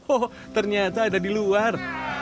oh ternyata ada di luar